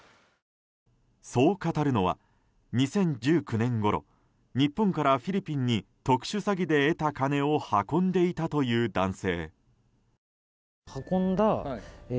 そう語るのは２０１９年ごろ日本からフィリピンに特殊詐欺で得た金を運んでいたという男性。